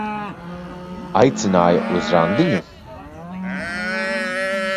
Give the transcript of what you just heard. Aicināja uz randiņu?